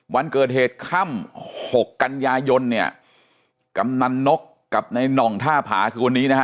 วันเกิดเหตุค่ำหกกันยายนเนี่ยกำนันนกกับในน่องท่าผาคือวันนี้นะฮะ